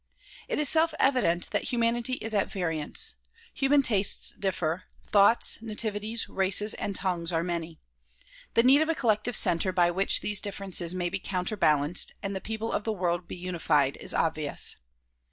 It is self evident that humanity is at variance. Human tastes differ ; thoughts, nativities, races and tongues are many. The need of a collective center by which these differences may be counter DISCOURSES DELIVERED IN NEW YORK 159 balanced and the people of the world be unified is obvious.